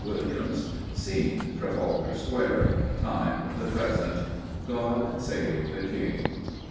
Williams. Scene: Trafalgar Square. Time: The Present. _GOD SAVE THE KING.